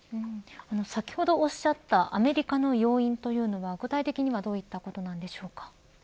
先ほどおっしゃったアメリカの要因というのは具体的にはどういったことなんでしょうか。